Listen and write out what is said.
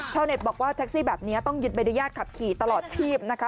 เน็ตบอกว่าแท็กซี่แบบนี้ต้องยึดใบอนุญาตขับขี่ตลอดชีพนะคะ